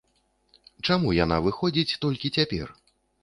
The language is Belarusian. Чаму яна выходзіць толькі цяпер?